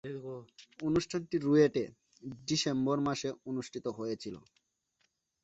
অনুষ্ঠানটি রুয়েটে ডিসেম্বর মাসে অনুষ্ঠিত হয়েছিলো।